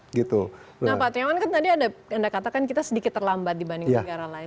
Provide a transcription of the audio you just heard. nah pak triawan kan tadi ada katakan kita sedikit terlambat dibanding negara lain